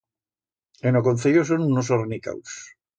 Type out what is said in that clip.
En o concello son unos ornicaus.